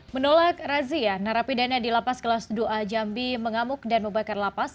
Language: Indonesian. menolak razia narapidana di lapas kelas dua a jambi mengamuk dan membakar lapas